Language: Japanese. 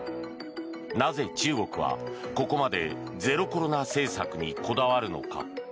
なぜ、中国はここまでゼロコロナ政策にこだわるのか。